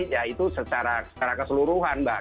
ya itu secara keseluruhan mbak